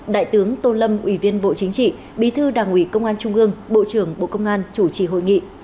đại tướng tô lâm ủy viên bộ chính trị bí thư đảng ủy công an trung ương bộ trưởng bộ công an chủ trì hội nghị